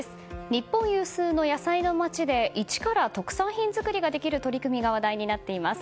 日本有数の野菜の街でいちから特産品づくりができる取り組みが話題になっています。